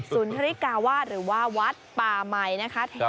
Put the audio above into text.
ศูนย์ธริกาวาดหรือว่าวัดป่าใหม่นะครับ